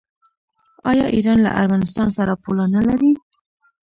آیا ایران له ارمنستان سره پوله نلري؟